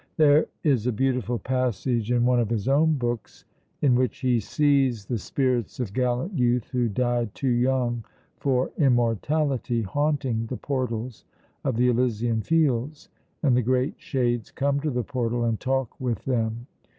There is a beautiful passage in one of his own books in which he sees the spirits of gallant youth who died too young for immortality haunting the portals of the Elysian Fields, and the great shades come to the portal and talk with them.